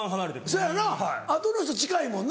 そやよなあとの人近いもんな。